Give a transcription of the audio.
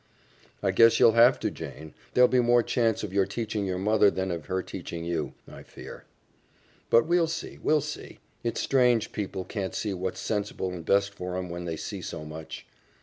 "I guess you'll have to, Jane. There'll be more chance of your teaching your mother than of her teaching you, I fear. But we'll see, we'll see; it's strange people can't see what's sensible and best for 'em when they see so much."